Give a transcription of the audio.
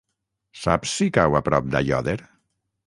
Saps si cau a prop d'Aiòder?